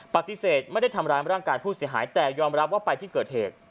ปฏิเสธไม่ได้ทำร้ายร่างกายผู้เสียหายแต่ยอมรับว่าไปที่เกิดเหตุ